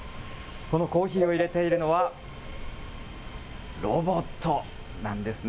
このコーヒーをいれているのは、ロボットなんですね。